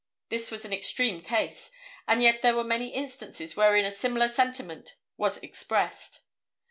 This was an extreme case, and yet there were many instances wherein a similar sentiment was expressed.